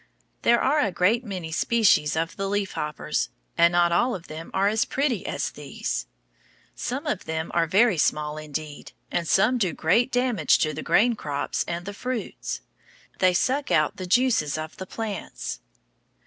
There are a great many species of the leaf hoppers, and not all of them are as pretty as these. Some of them are very small indeed, and some do great damage to the grain crops and the fruits. They suck out the juices of the plants.